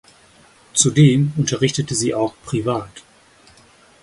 Zudem unterrichtete sie auch privat.